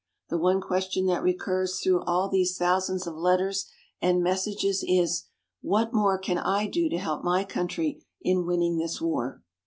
The one question that recurs through all these thousands of letters and messages is "What more can I do to help my country in winning this war"?